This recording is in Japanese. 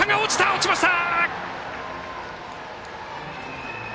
落ちました！